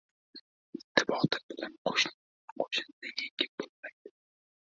• Bitta botir bilan qo‘shinni yengib bo‘lmaydi.